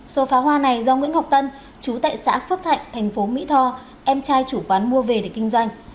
số pháo hoa này do nguyễn ngọc tân chú tại xã phước thạnh thành phố mỹ tho em trai chủ quán mua về để kinh doanh